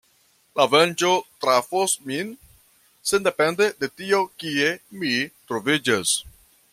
La venĝo trafos min sendepende de tio kie mi troviĝas.